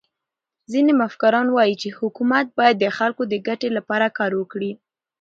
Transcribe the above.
ځيني مفکران وايي، چي حکومت باید د خلکو د ګټي له پاره کار وکړي.